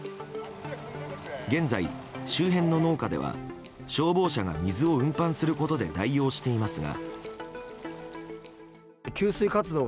現在、周辺の農家では消防車が水を運搬することで代用していますが。